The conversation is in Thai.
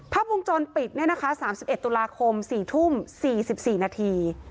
ภาพวงจรปิด๓๑ตุลาคม๔ทุ่ม๔๔นาที